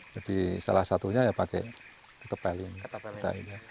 jadi salah satunya ya pakai ketapel ini